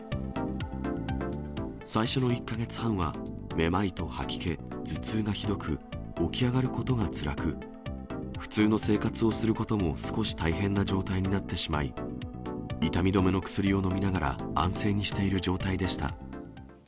最初の１か月半は、めまいと吐き気、頭痛がひどく、起き上がることがつらく、普通の生活をすることも少し大変な状態になってしまい、痛み止めの薬を飲みながら、安静にしている状態でした。